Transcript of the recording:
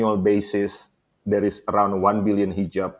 ada sekitar satu juta hijab